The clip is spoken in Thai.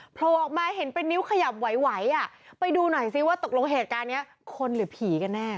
โผล่ออกมาเห็นเป็นนิ้วขยับไหวอ่ะไปดูหน่อยซิว่าตกลงเหตุการณ์นี้คนหรือผีกันแน่